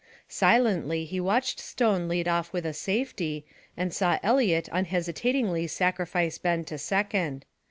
Silently he watched Stone lead off with a safety, and saw Eliot unhesitatingly sacrifice Ben to second.